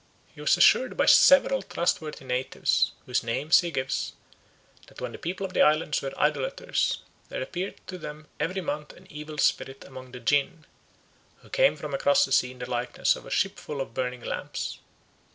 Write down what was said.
He was assured by several trustworthy natives, whose names he gives, that when the people of the islands were idolaters there appeared to them every month an evil spirit among the jinn, who came from across the sea in the likeness of a ship full of burning lamps.